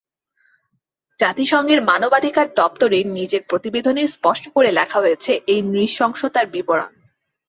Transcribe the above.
জাতিসংঘের মানবাধিকার দপ্তরের নিজের প্রতিবেদনেই স্পষ্ট করে লেখা হয়েছে এই নৃশংসতার বিবরণ।